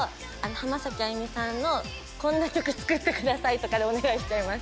浜崎あゆみさんのこんな曲作ってくださいとかでお願いしちゃいます。